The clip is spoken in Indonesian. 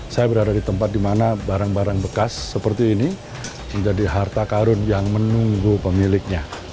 saya berada di tempat di mana barang barang bekas seperti ini menjadi harta karun yang menunggu pemiliknya